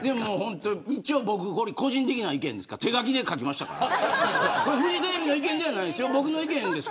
一応、これ個人的な意見ですから手書きで書きましたから。